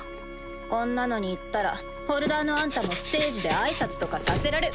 こんなのに行ったらホルダーのあんたもステージで挨拶とかさせられ。